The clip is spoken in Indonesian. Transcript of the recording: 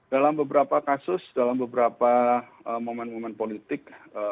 dalam beberapa kasus dalam beberapa momen momen politik